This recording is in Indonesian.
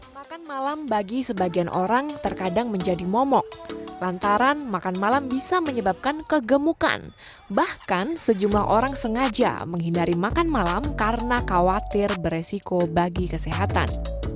makan malam bagi sebagian orang terkadang menjadi momok lantaran makan malam bisa menyebabkan kegemukan bahkan sejumlah orang sengaja menghindari makan malam karena khawatir beresiko bagi kesehatan